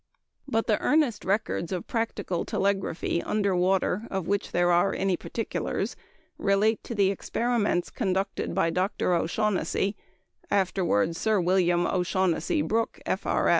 But the earliest records of practical telegraphy under water of which there are any particulars relate to the experiments conducted by Dr. O'Shaughnessy (afterward Sir William O'Shaughnessy Brooke, F.R.